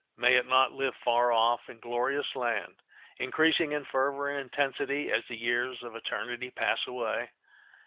May it not live far off in the glorious land, increasing in fervor and intensity as the years of eternity pass away?